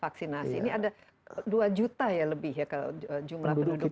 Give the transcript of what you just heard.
vaksinasi ini ada dua juta ya lebih ya kalau jumlah penduduknya